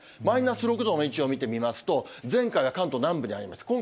マイナス６度の位置を見てみますと、前回は関東南部にあります。